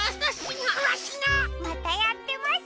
またやってます。